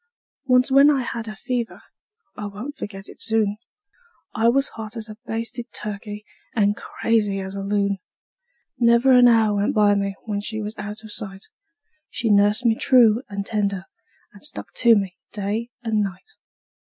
Once when I had a fever I won't forget it soon I was hot as a basted turkey and crazy as a loon; Never an hour went by me when she was out of sight She nursed me true and tender, and stuck to me day and night.